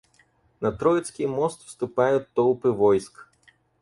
На Троицкий мост вступают толпы войск.